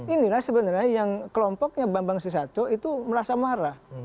inilah sebenarnya yang kelompoknya bambang susatyo itu merasa marah